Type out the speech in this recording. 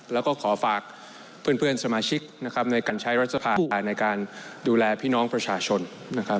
แล้วก็ขอฝากเพื่อนสมาชิกนะครับในการใช้รัฐสภาในการดูแลพี่น้องประชาชนนะครับ